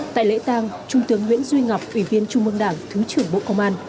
tại lễ tang trung tướng nguyễn duy ngọc ủy viên trung ồn đảng thứ trưởng bộ công an